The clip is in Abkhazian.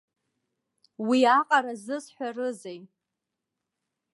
Уиаҟара зысҳәарызеи!